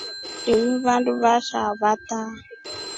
Linu vanduu vashaa vaataa.